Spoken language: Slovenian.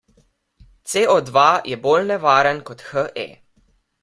C O dva je bolj nevaren kot He.